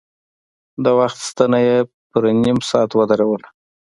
د وخت ستنه يې په نيم ساعت ودروله.